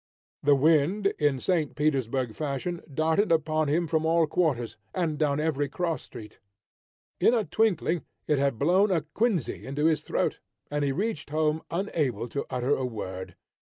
The wind, in St. Petersburg fashion, darted upon him from all quarters, and down every cross street. In a twinkling it had blown a quinsy into his throat, and he reached home unable to utter a word.